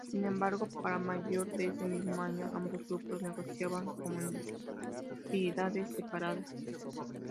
Sin embargo, para mayo de ese mismo año, ambos grupos negociaban como entidades separadas.